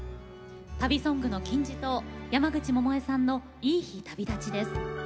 旅ソングの金字塔山口百恵さんの「いい日旅立ち」です。